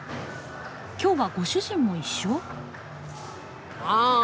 今日はご主人も一緒？